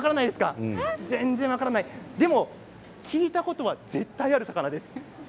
でも聞いたこと絶対ある魚ですよ。